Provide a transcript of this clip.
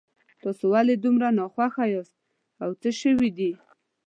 تاسو ولې دومره ناخوښه یاست او څه شوي دي